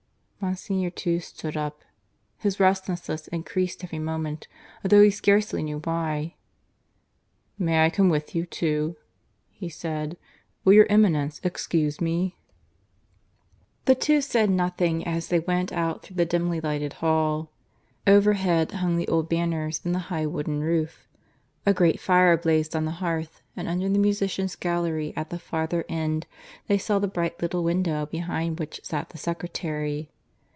Monsignor too stood up. His restlessness increased every moment, although he scarcely knew why. "May I come with you too?" he said. "Will your Eminence excuse me?" (II) The two said nothing as they went out through the dimly lighted hall. Overhead hung the old banners in the high wooden roof; a great fire blazed on the hearth; and under the musician's gallery at the farther end they saw the bright little window behind which sat the secretary.